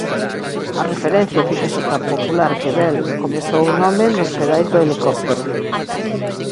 A referencia fíxose tan popular que Bell comezou o nome nos pedais do helicóptero.